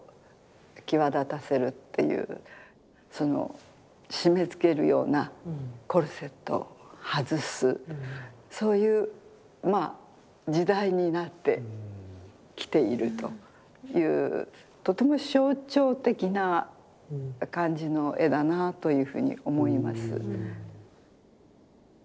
その締めつけるようなコルセットを外すそういうまあ時代になってきているというとても象徴的な感じの絵だなというふうに思います。